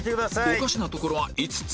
おかしなところは５つ。